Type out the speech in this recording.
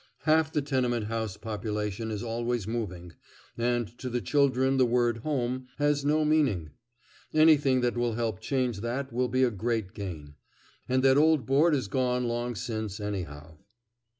Half the tenement house population is always moving, and to the children the word "home" has no meaning. Anything that will help change that will be a great gain. And that old Board is gone long since, anyhow.